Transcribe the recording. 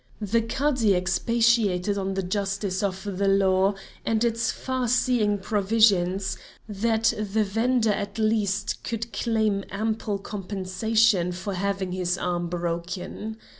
The Cadi expatiated on the justice of the law and its far seeing provisions, that the vender at least could claim ample compensation for having his arm broken.